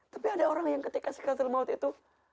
tapi ada orang yang ketika sekiratul mawad itu